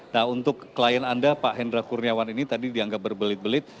nah untuk klien anda pak hendra kurniawan ini tadi dianggap berbelit belit